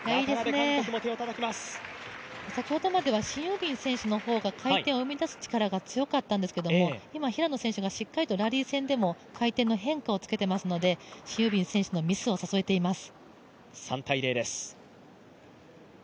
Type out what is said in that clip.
先ほどまではシン・ユビン選手の方が回転を生み出す力が強かったんですけれども、今は平野選手がしっかりとラリー戦でも回転の変化をつけていますのでシン・ユビン選手のミスを誘えています。